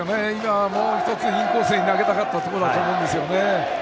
もう１つ、インコースに投げたかったところだと思うんです。